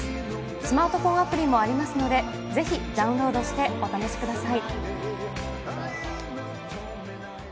スマートフォンアプリもありますので、ぜひダウンロードしてお試しください。